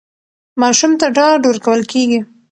ماشوم ته ډاډ ورکول کېږي.